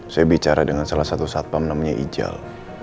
saya bicara dengan salah satu satpam namanya ijal